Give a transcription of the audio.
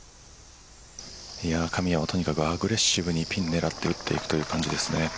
神谷はとにかくアグレッシブにピンを狙って打っていくという感じです。